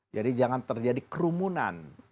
jadi jangan terjadi kerumunan